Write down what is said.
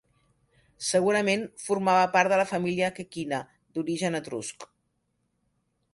Segurament formava part de la família Cecina, d'origen etrusc.